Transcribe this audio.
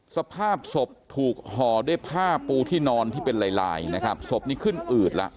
สภาพศพถูกห่อด้วยผ้าปูที่นอนที่เป็นลายลายนะครับศพนี้ขึ้นอืดแล้ว